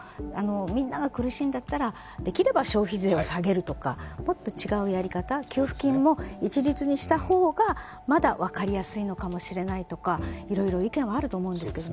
みんなが苦しいんだったらできれば消費税を下げるとか、もっと違うやり方、給付金も一律にした方がまだ分かりやすいのかもしれないとかいろいろ意見はあると思うんですけどね。